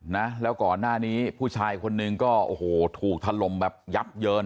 นะแล้วก่อนหน้านี้ผู้ชายคนนึงก็โอ้โหถูกถล่มแบบยับเยิน